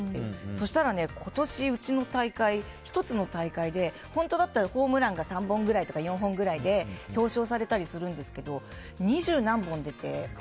そうしたら、今年うちの１つの大会で本当だったらホームランが３本ぐらいとか４本ぐらいで表彰されたりしますが二十何本出て。